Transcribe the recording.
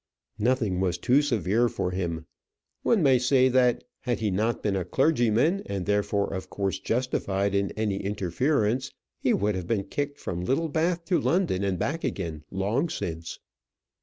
Nothing was too severe for him. One may say that had he not been a clergyman, and therefore of course justified in any interference, he would have been kicked from Littlebath to London and back again long since.